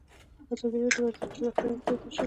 ازادي راډیو د ورزش د پراختیا اړتیاوې تشریح کړي.